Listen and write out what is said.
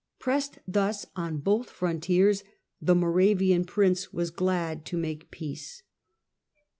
Pressed thus on both frontiers, the Moravian prince was glad to make peace.